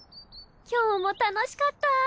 今日も楽しかった。